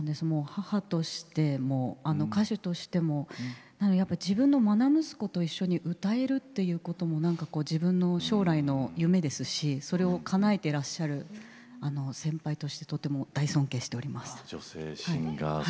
母として、歌手としても自分のまな息子と一緒に歌えるということも自分の将来の夢ですしそれをかなえていらっしゃる先輩として、とても大尊敬しております。